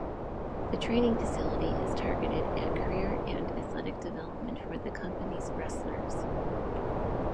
The training facility is targeted at career and athletic development for the company's wrestlers.